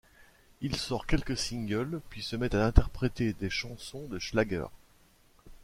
Il sort quelques singles puis se met à interpréter des chansons de schlager.